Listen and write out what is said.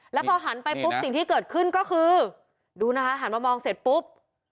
แล้วพอหันไปปุ๊บสิ่งที่เกิดขึ้นก็คือดูนะคะหันมามองเสร็จปุ๊บ